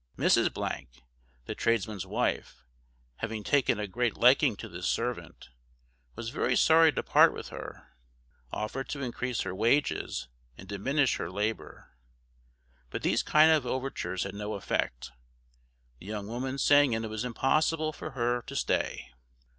Mrs , the tradesman's wife, having taken a great liking to this servant, was very sorry to part with her, offered to increase her wages, and diminish her labour; but these kind overtures had no effect, the young woman saying it was impossible for her to stay.